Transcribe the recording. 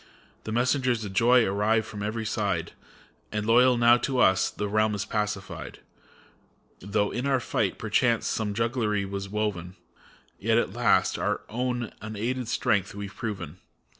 The messengers of joy arrive from every side, And, loyal now to us, the realm is pacified. 216 FAUST, Though in our fight, perchance, some jugglery was woven, Yet, at the last, our own unaided strength we've proven.